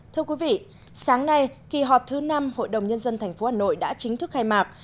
thưa quý vị sáng nay kỳ họp thứ năm hội đồng nhân dân tp hà nội đã chính thức khai mạc